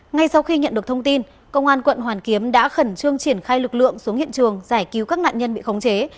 ngay sau khi nhận được thông tin công an quận hoàn kiếm đã khẩn trương triển khai lực lượng xuống hiện trường giải cứu các nạn nhân bị khống chế